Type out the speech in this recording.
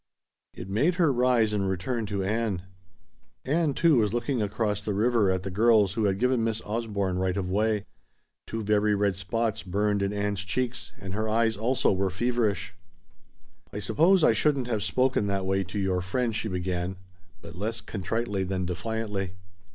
It made her rise and return to Ann. Ann, too, was looking across the river at the girls who had given Miss Osborne right of way. Two very red spots burned in Ann's cheeks and her eyes, also, were feverish. "I suppose I shouldn't have spoken that way to your friend," she began, but less contritely than defiantly.